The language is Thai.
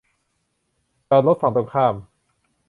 จอดรถฝั่งตรงข้าม